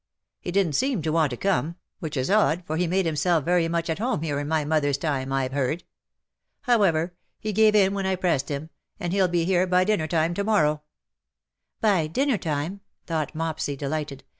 He didn't seem to want to come, which is VOL. II. p 210 ''but it sufficeth, odd^ for lie made himself very much at home here in my mother's time, Tve heard. However,, he gave in when I pressed him ; and he'll he here hy dinner time to morroAV." '^ By dinner time/' thought Mopsy, delighted.